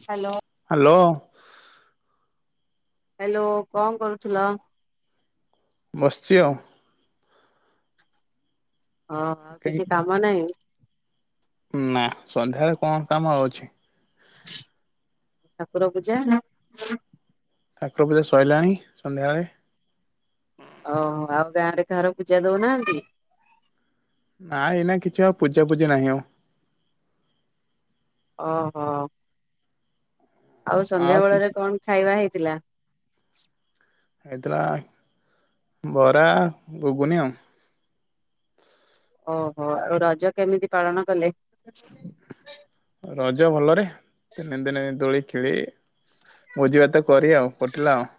Hello. Hello. Hello କଣ କରୁଥିଲ? ବସିଚି ଆଉ। ହଁ କିଛି କାମ ନାହିଁ? ନା ସନ୍ଧ୍ୟାରେ କଣ କାମ ଅଛି। [unintelligible] ଠାକୁର ପୂଜା ନା ଠାକୁର ପୂଜା ସରିଲାଣି ସନ୍ଧ୍ୟାବେଳେ। ଓହୋ ଆଉ ଗାଁ ରେ କାହାର ପୂଜା ଦଉନାହାନ୍ତି। ନାଇଁ ଏଇନା କିଛି ଆଉ ପୂଜାପୂଜି ନାହିଁ ଆଉ। ଓହୋ ଆଉ ସନ୍ଧ୍ୟା ବେଳରେ କଣ ଖାଇବା ହେଇଥିଲା? ହେଇଥିଲା ବରା, ଘୁଗୁନି ଆଉ ଓହୋ ଆଉ ରଜ କେମିତି ପାଳନ କଲେ? ରଜ ଭଲରେ ତିନି ଦିନେ ଦୋଳି ଖେଳି ଭୋଜି ଭାତ କରି ଆଉ କଟିଲା ଆଉ।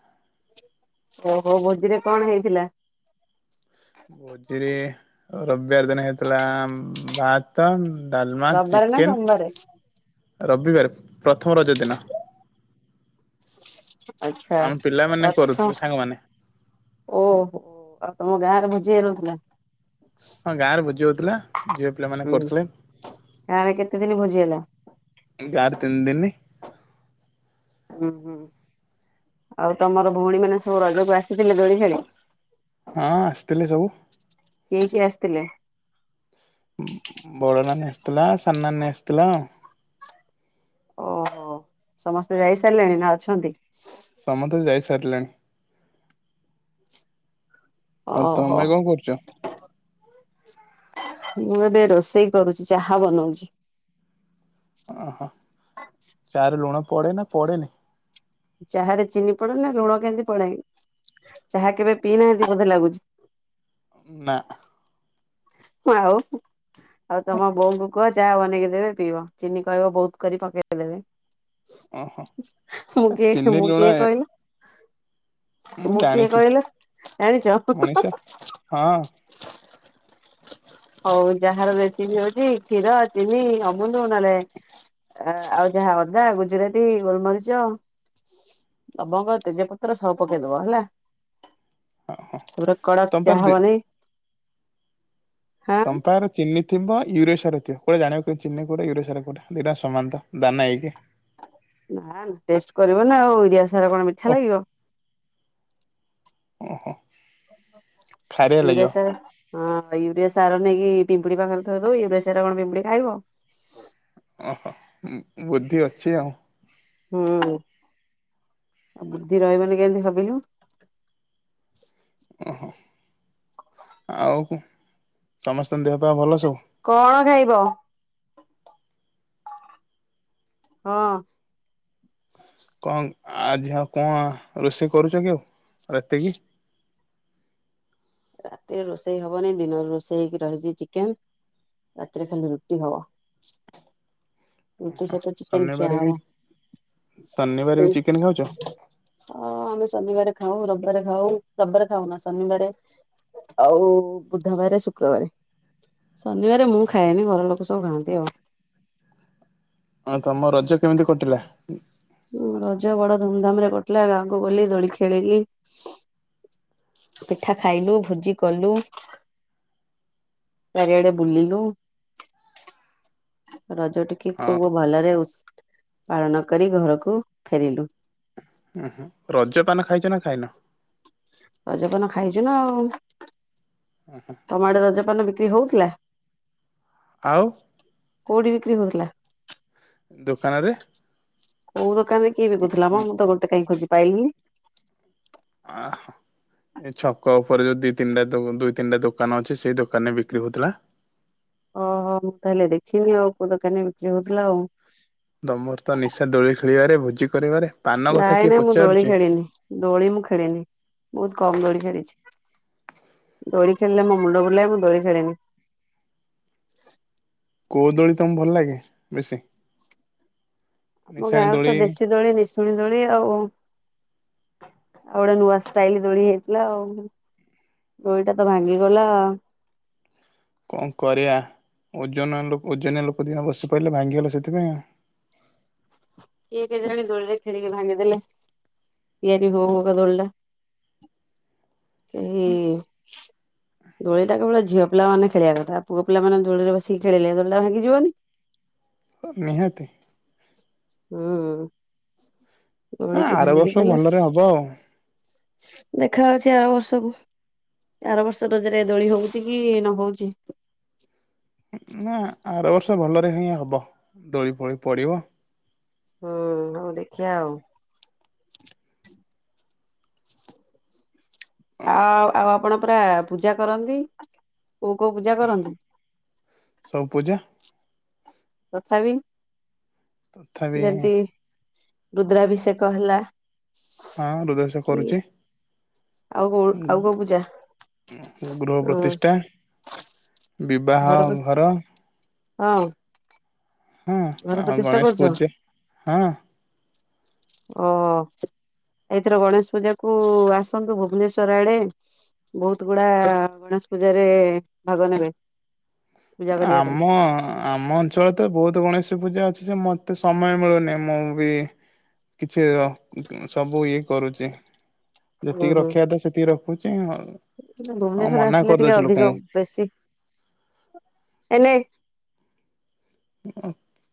ଓହୋ ଭୋଜିରେ କଣ ହେଇଥିଲା? ଭୋଜିରେ ରବିବାର ଦିନ ହେଇଥିଲା ଭ ଭାତ, ଡାଲମା, ରବିବାରେ ନା ସୋମବାରେ? ଚିକେନ ରବିବାର ପ୍ରଥମ ରଜ ଦିନ। ଆଚ୍ଛା ଆମ ପିଲାମାନେ [inaudible] କରୁଥିଲୁ ସାଙ୍ଗମାନେ ଓହୋ ଆଉ ତମ ଗାଁ ରେ ଭୋଜି ହେଇନଥିଲା? ହଁ ଗାଁ ରେ ଭୋଜି ହଉଥିଲା ଝଅ ହୁଁ ଗାଁରେ କେତେ ଦିନ ଭୋଜି ହେଲା? ଗାଁରେ ତିନ୍ ଦିନ୍। ହୁଁ ହୁଁ। ଆଉ ତମର ଭଉଣୀମାନେ ସବୁ ରଜକୁ ଆସିଥିଲେ ଦୋଳି ଖେଳି। ହଁ ଆସିଥିଲେ ସବୁ। କିଏ କିଏ ଆସିଥିଲେ? ବବଡ଼ ନାନୀ ଆସିଥିଲା ସାନ ନାନୀ ଆସିଥିଲା। ଓହୋ ସମସ୍ତେ ଯାଇ ସାରିଲେଣି ନା ଅଛନ୍ତି? ସମସ୍ତେ ଯାଇ ସାରିଲେଣି। ଓହୋ ତମେ କଣ କରୁଛ? ମୁଁ ଏବେ ରୋଷେଇ କରୁଛି ଚାହା ବନଉଛି। ଅହ ଚା ରେ ଲୁଣ ପଡେ ନା ପଡେନି? ଚାହା ରେ ଚିନି ପଡେ ନା ଲୁଣ କେମିତି ପଡେ ଚାହା କେବେ ପିଇନାହାନ୍ତି ବୋଧେ ଲାଗୁଛି? ନା। ଆଉ ଆଉ ତମ ବୋଉଙ୍କୁ କୁହ ଚା ବନେଇକି ଦେବେ ପିଇବା ଚିନି କହିବ ବହୁତ କରି ପକେଇ ଦେବେ। ଓହୋ ମୁଁ କିଏ ଚିନି ମୁଁ ଲୁଣ କିଏ ଏ କହିଲୁ? ମୁଁ କିଏ କହିଲ ଜାଣିଛ? ମଣିଷ ହଁ। ହଉ ଚାହାର ରେସିପି ହଉଛି କ୍ଷୀର ଚିନି ଅମୁଲୁ ନହେଲେ ଆ ଆଉ ଯାହା ଅଦା ଗୁଜୁରାତି ଗୋଲମରିଚ ଲବଙ୍ଗ ତେଜପତ୍ର ସବୁ ପକେଇଦବ ହେଲା। ତା ପରେ କଡପ୍ ତମ ପା ଚାହା ଦି ବନେଇ ହାଁ ତମ ପାଖରେ ଚିନି ଥିବ ୟୁରିଆ ସାର ଥିବ କୋଉଟା ଜାଣିବ ଚିନି କଉଟା ୟୁରିଆ ସାର କୋଉଟା ଦିଟା ସାମାନ୍ ତ ଦାନ ହେଇକି ନା ଟେଷ୍ଟ କରିବ ନା ଆଉ ୟୁରିଆ ସାରା କଣ ମି ଓ ଓହୋ। ଖାରିଆ ୟୁରିଆ ଲାଗିବ ସାର୍ ହଁ ୟୁରିଆ ସାର ନେଇକି ପିମ୍ପୁଡ଼ି ପାଖରେ ଥୋଇଦେବ ୟୁରିଆ ସାର କଣ ପିମ୍ପୁଡ଼ି ଖାଇବ? ଓହୋ ବୁଦ୍ଧି ଅଛି ଆଉ? ହୁଁ ଆଉ ବୁଦ୍ଧି ରହିବନି କେମତି ଭାବିଲୁ? ଓହୋ ଆଉ ସମସ୍ତଙ୍କ ଦେହ ପା ଭଲ ସବୁ? କଣ ଖାଇବ? ହଁ। କଅ ଆଜି ଆଉ କଣ ରୋଷେଇ କରୁଛ କି ଆଉ ରାତିକି? ରାତିରେ ରୋଷେଇ ହବନି ଦିନରେ ରୋଷେ ହେଇକି ରହିଛି ଚିକେନ ରାତିରେ ଖାଲି ରୁଟି ହବ। ରୁଟି ସହୀତ ଚିକେନ ଖିଆ ଶନିବାରେ ବି ଶନିବାରେ ହବ। ବି ଚିକେନ ଖାଉଛ ହଁ ଆମେ ଶନିବାର ଖାଉ ରବିବାରେ ଖାଉ ରବିବାରେ ଖାଉ ନା ଶନିବାରେ ଆଉ ବୁଧବାର ଶୁକ୍ରବାର। ଶନିବାର ମୁଁ ଖାଏନି ଘର ଲୋକ ସବୁ ଖାଆନ୍ତି ଆଉ। ହଁ ତମ ରଜ କେମିତି କଟିଲା? ହଁ ରଜ ବଡ ଧୁମଧାମ ରେ କଟିଲା ଗାଁକୁ ଗଲି ଦୋଳି ଖେଳିଲି ପିଠା ଖାଇଲୁ ଭୋଜି କଲୁ ଚାରିଆଡେ ବୁଲିଲୁ ରଜ ଟି କି ହଁ ଖୁବ ଭଲରେ ପାଳନ କରି ଘରକୁ ଫେରିଲୁ। ଉହୁ ରଜପାନ ଖାଇଛ ନା ଖାଇନ? ରଜପାନ ଖାଇଛୁ ନା ଆଉ ତମ ଆଡେ ରଜପାନ ବିକ୍ରି ହଉଥିଲା? ଆଉ କୋଉଠି ବିକ୍ରି ହଉଥିଲା? ଦୋକାନ ରେ। କୋଉ ଦୋକାନ ରେ କିଏ ବିକୁ ଥିଲା ମ ମୁଁ ତ ଗୋଟେ କାହିଁ ଖୋଜି ପାଇଲିିନି? ଆଃ। ଏ ଛକ ଉପରେ ଯୋଉ ଦି ତିନିଟା ଦୋ ଦୁଇ ତିନଟା ଦୋକାନ ଅଛି ସେଇ ଦୋକାନ ରେ ବିକ୍ରି ହଉଥିଲା। ଓହୋ ମୁଁ ତାହେଲେ ଦେଖିନି ଆଉ କୋଉ ଦୋକାନୀ ବିକ୍ରି ହଉଥିଲା ଆଉ। ତମର ତ ନିଶା ଦୋଳି ଖେଳିଆରେ ଭୋଜି କରିବାରେ ପାନ କଥା ନାଇଁ କିଏ ନାଇଁ ମୁଁ ଦୋଳି ପଚାରୁଛି? ଖେଳିନି ଦୋଳି ମୁଁ ଖେଳିନି ବହୁତ୍ କମ୍ ଦୋଳି ଖେଳିଛି। ଦୋଳି ଖେଳିଲେ ମୋ ମୁଣ୍ଡ ବୁଲାଏ ମୁଁ ଦୋଳି ଖେଳେନି। କୋଉ ଦୋଳି ତମକୁ ଭଲ ଲାଗେ ବେଶୀ? ଆମ ନିଶାଣି ଗାଁରେ ଦୋଳି ତ ଦେଶୀ ଦୋଳି ନିଶୁଣୀ ଦୋଳି ଆଉ। ଆଉ ଗୋଟେ ନୂଆ ଷ୍ଟାଇଲ୍ ଦୋଳି ହେଇଥିଲା ଆଉ। ଦୋଳିଟା ତ ଭାଙ୍ଗିଗଲା। କଣ କରିଆ ଓଜନ ଲୋକ ଓଜନିଆ ଲୋକ ଦିହେଁ ବସି ପାଇଲେ ଭାଙ୍ଗିଗଲା ସେଥିପାଇଁ ଆଉ। କିଏ କେଜାଣି ଦୋଳିରେ ଖେଳି କି ଭାଙ୍ଗିଦେଲେ ତିଆରି ହଉ ହଉକା ଦୋଳିରେ। [unintelligible] [unintelligible] ଦୋଳିଟା କେବଳ ଝିଅ ପିଲା ମାନେ ଖେଳିବା କଥା ପୁଅ ପିଲାମାନେ ଦୋଳିରେ ବସିକି ଖେଳେ ଦୋଳିଟା ଭାଙ୍ଗିିଜିବନି? ନିହାତି। ହୁଁ ନା ଦୋଳିକି ଆର ବର୍ଷ ଭାଙ୍ଗିଦେଲେ। ଭଲରେ ହବ ଆଉ ଦେଖା ଅଛି ଆର ବର୍ଷକୁ ଆାର ବର୍ଷ ରଜରେ ଦୋଳି ହଉଛି କି ନ ହଉଛି। ନା ଆର ବର୍ଷ ଭଲରେ ହିଁ ହବ ଦୋଳି ଫୋଳି ପଡିବ ହୁଁ ହଉ ଦେଖିଆ ଆଉ। ଆଉ ଆଉ ଆପଣ ପୁରା ପୂଜା କରନ୍ତି କୋଉ କୋଉ ପୂଜା କରନ୍ତି? ସବୁ ପୂଜା। ତଥାପି ତଥାପି ଯେମିତି ରୁଦ୍ରାଭିଷେକ ହେଲା ହଁ ରୁଦ୍ରାଭିଷେକ କି କରୁଛି। ଆଉ କୋଉ ଆଉ କୋଉ ପୂଜା ଗୃହ ଉଁ ପ୍ରତିଷ୍ଠା ବିବାହ ଘର ହଁ ଘର ଆଉ ପ୍ରତିଷ୍ଠା ଗଣେଶ କରୁଛ ପୂଜା। ଓ। ଏଇଥର ଗଣେଶ ପୂଜା କୁ ଆସନ୍ତୁ ଭୁବନେଶ୍ଵର ଆଡେ। ବହୁତ୍ ଗୁଡା ଗଣେଶ ପୂଜାରେ ଭାଗ ନେବେ। ପୂଜା କରିବା ପାଇଁ। ଆମ ଆମ ଅଞ୍ଚଳ ତ ବହୁତ୍ ଗଣେଶ ପୂଜା ଅଛି ଯେ ମତେ ସମୟ ମିଳୁନି ମୁଁ ବି କିଛି ୟ ସବୁ ଇଏ କରୁଛି। ହୁଁ ଯେତିକି ହୁଁ। ରଖିଆ କଥା ସେତିକି ରଖୁଛିଉ। ଭୁବନେଶ୍ଵର ଆସିଲେ ଟିକେ ଅଧିକ ବେଶୀ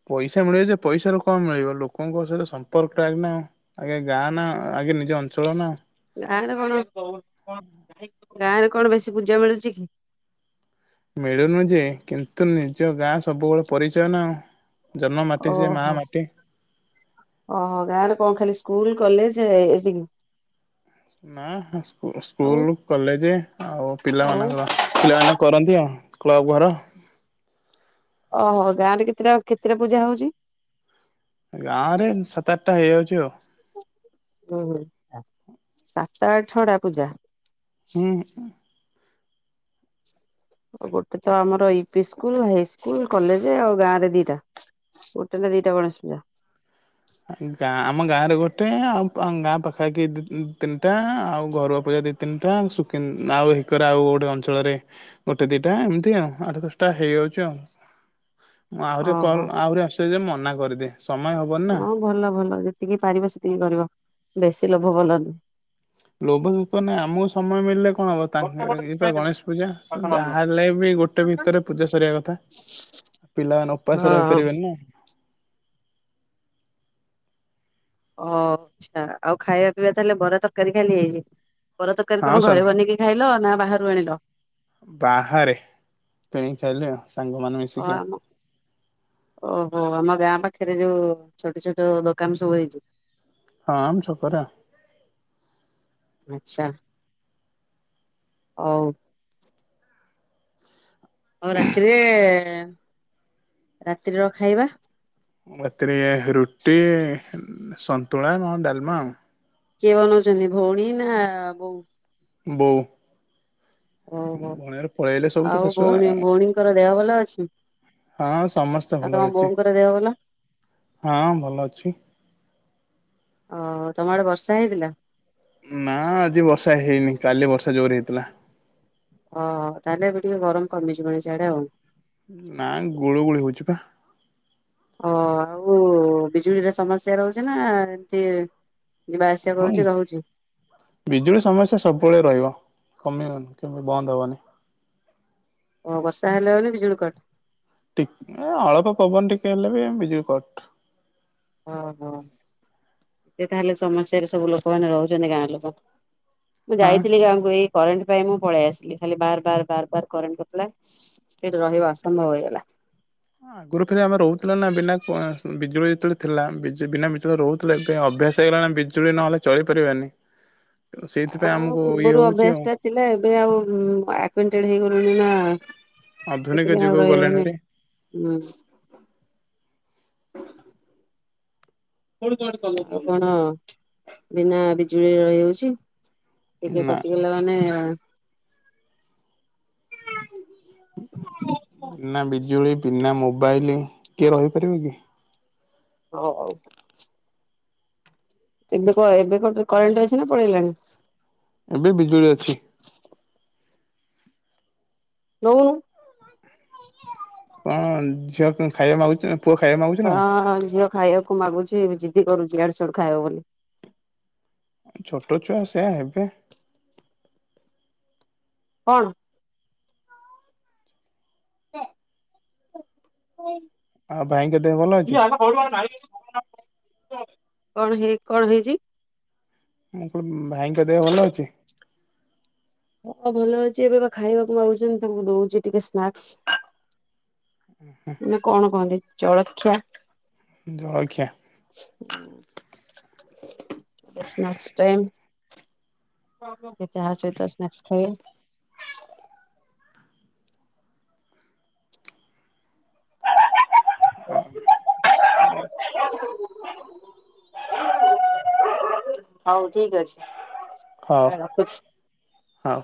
ପଇସା ମିଳିବ ଯେ ପଇସା ରୁ କଣ ମିଳିବ ଲୋକଙ୍କ ସହିତ ସମ୍ପର୍କ ଟା ଆଗନା। ଆଗେ ଗାଁ ନା ଆଗେ ନିଜ ଅଞ୍ଚଳ ନା ଗାଁ ରେ କଣ ଗାଁ ରେ କଣ ବେଶୀ ପୂଜା ମିଳୁଛି କି ମିଳୁନୁ ଯେ କିନ୍ତୁ ନିଜ ଗାଁ ସବୁବେଳେ ପରିଚୟ ନା ଆଉ। ଜନ୍ମ ମାଟି ସେ ମା ଓହୋ। ମାଟି। ଓହୋ ଗାଁରେ କଣ ଖାଲି ସ୍କୁଲ କଲେଜ୍ ଏତିିକି‌? ନା ହଁ ସ୍କୁ ଆଉ ସ୍କୁୂଲ। କଲେଜେ ଆଉ ଆଉ ପିଲାମାନଙ୍କର ପିଲାମାନେ କରନ୍ତି ଆଉ କ୍ଲବ ଘର ଓହୋ ଗାଁ ରେ କେତେଟା କେତେଟା ପୂଜା ହଉଛି? ଗାଁ ରେ ସାତ ଆଠଟା ହେଇଯାଉଛି ଆଉ। ହ ହ ସାତ ଆଠ ଛଅ ଟା ପୂଜା ହୁଁ ଆଉ ଗୋଟେ ତ ଆମର ୟୁପି ସ୍କୁଲ, ହାଇସ୍କୁଲ, କଲେଜ ଆଉ ଗାଁ ରେ ଦିଟା। ଗୋଟେ ନା ଦିଟା ଗଣେଶ ପୂଜା? ଗାଁ ଆମ ଗାଁ ରେ ଗୋଟେ ଆଉ ଗାଁ ପାଖାପାଖି ତିନିଟା ଆଉ ଘରୁଆ ପୂଜା ଦି ତି ତିନିଟା ସୁକିନ ଆଉ ହେକରେ ଆଉ ଗୋଟେ ଅଞ୍ଚଳରେ ଗୋଟେ ଦିଟା ଏମିତି ଆଉ ଆଠ ଦଶଟା ହେଇଯାଉଛି ଆଉ। ମୁଁ ଆହୁରି ଓହୋ କଲ ଆହୁରି ଆସିବ ଯେ ମନା କରିଦେଲି ସମୟ ହବନି ନା। ହଁ ଭଲ ଭଲ ଯେତିକି ପାରିବ ସେତିକି କରିବ ବେଶୀ ଲୋଭ ଭଲ ନୁହେଁ। ଲୋଭଭୋକ ନାଇଁ ଆମକୁ ସମୟ ମିଳିଲେ କଣ ହେବତା ଇଏ ତ ଗଣେଶ ପୂଜା ଯାହାଲେ ବି ଗୋଟେ ଭି ନୁହେଁ ଭିତରେ ପୂଜା ସରିବା କଥା ପିଲାମାନେ ଉପାସ ହଁ ରହିପାରିବେନି ନା। ଓ ଆଚ୍ଛା ଆଉ ଖାଇବା ପିଇବା ତାହେଲେ ବରା ତରକାରୀ ଖାଲି ହେଇଚି। ବରା ତରକାରୀ ହଁ କଣ ସନ୍ ଘରେ ବନେଇକି ଖାଇଲ ନା ବାହାରୁ ଆଣିଲ? ବାହାରେ କିଣି ଖାଇଲି ଆଉ। ସାଙ୍ଗମାନେ ମି ଓ ଆମ ଓହୋ ଆମ ଗାଁ ପାଖରେ ଯୋଉ ଛୋଟ ଛୋଟ ଦୋକାନ ସବୁ ହେଇଚି। ହଁ ଆମ ଛକରେ ଆ ଆଚ୍ଛା ହଉ। ଆଉ ରାତିରେ ଏଁ ରାତ୍ରି ର ଖାଇବା? ରାତିରେ ରୁଟି, ସନ୍ତୁଳା ଓ ଡ଼ାଲମା ଆଉ। କିଏ ବନଉଛନ୍ତି ଭଉଣୀ ନା ବୋଉ? ବଉ। ଓହୋ ଭଉଣୀମାନେ ପଳେଇଲେ ଶାଶୁ ଆଉ ଭଉଣୀ ତ ଭଉଣୀଙ୍କର ଦେହ ଭଲ ଅଛି ଆ ହଁ ସମସ୍ତେ ଆଉ ଭଲ ତମ ଅଛି ବୋଉଙ୍କର ଦେହ ଭଲ ହଁ ଭଲ ଅଛି। ଓ ତମ ଆଡେ ବର୍ଷା ହେଇଥିଲା? ନା ଆଜି ବର୍ଷା ହେଇନି କାଲି ବର୍ଷା ଜୋର ହେଇଥିଲା। ଓହ ତାହଲେ ଏବେ ଟିକେ ଗରମ କମିଜିବଣି ସିଆଡେ ଆଉ। ନା ଗୁଳୁଗୁଳି ହଉଚି ପା। ଓ ଆଉ ବିଜୁଳିର ସମସ୍ୟା ରହୁଛି ନା କିଏ ହଉଁ। ବିଜୁଳି ସମସ୍ୟା ସବୁବେଳେ ରହିବ କମିବନି କେବେ ବନ୍ଦ ହବନି। ଓ ବର୍ଷା ହେଲେ ମାନେ ବିଜୁଳି କଟ। ଟିକ ଅଳପ ପବନ ଟିକେ ହେଲେ ବି ବିଜୁଳି କଟ। ଓହୋ ତାହେଲେ ସମସ୍ୟାରେ ସବୁ ଲୋକମାନେ ରହୁଛନ୍ତି ଗାଁ ଲୋକ। ମୁଁ ହଁ। ଯାଇଥିଲି ଗାଁକୁ ଏଇ କରେଣ୍ଟ ପାଇଁ ମୁଁ ପଳେଇ ଆସିଲି ଖାଲି ବାର ବାର ବାର ବାର କରେଣ୍ଟ କଟିଲା ସେଇଠି ରହିବା ଅସମ୍ଭବ ହେଇଗଲା। ଆଗରୁ ଫେରେ ଆମେ ରହୁଥିଲେ ନା ବିନା ବିଜୁଳି ଯେତେବେଳେ ଥିଲା ବିନା ବିଜୁଳି ରହୁଥିଲେ ଏବେ ଅଭ୍ୟାସ ହେଇଗଲାଣି ବିଜୁଳି ନହଲେ ଚଳି ପାରିବାନି। ଆଁ ପୂର୍ବରୁ ହଉଛି ଆଉ ଅଭ୍ୟାସ ଟା ଥିଲା ଏବେ ଆଉ ଆକୁଣ୍ଟେଡ ହେଇଗଲୁଣିି ନା। ଆଧୁନିକ ସେଥିପାଇଁ ଆଉ ଯୁଗକୁ ରହି ଗଲେଣି ହଉନି ଭାରି ହୁଁ। ଆଉ କଣ ବିନା ବିଜୁଳି ରହି ହଉଚି। ଟିକେ ନା କଟିଗଲା ମାନେ ବିନା ବିଜୁଳି ବିନା ମୋବାଇଲ୍ କିଏ ରହିପାରିବ କି? ହ ହଉ। ଏବେ କ ଏବେ କ କରେଣ୍ଟ୍ ଅଛି ନା ପଳେଇଲାଣି? ଏବେ ବିଜୁଳି ଅଛି। ନଉନୁ। କଣ୍ ଝିଅ କଁ ଖାଇଆକୁ ମାଗୁଚି? ପୁଅ ଖାଇଆ ମାଗୁ ହଁ। ଝିଅ ଖାଇଆକୁ ମାଗୁଚି ଜିଦି କରୁଚି ଇଆଡୁ ସିଆଡୁ ଖାଇବ ବୋଲି। ଛୋଟ ଛୁଆ ସେଇଆ ହେବେ। କଣ? ଦେ। ଖାଇବି। ଆଉ ଭାଇଙ୍କ ଦେହ ଭଲ ଅଛି? କଣ ହେଇ କଣ ହେଇଚି? ଆଉ କଣ ଭାଇଙ୍କ ଦେହ ଭଲ ଅଛି? ହଁ ଭଲ ଅଛି। ଏବେ ବା ଖାଇବାକୁ ମାଗୁଚନ୍ତି ତାଙ୍କୁ ଦଉଚି ଟିକେ ସ୍ନାକ୍ସ। ହୁଁ। ନା କଣ କହନ୍ତି ଜଳଖିଆ। ଜଳଖିଆ। ଏବେ ସ୍ନାକ୍ସ ଟାଇମ୍। ଏ ଚାହା ସହିତ ସ୍ନାକ୍ସ ଖାଇବେ। [unintelligible] ହଁ। [unintelligible] ହଉ ଠିକ୍ ଅଛି। ହ ରଖୁଛି। ହଉ।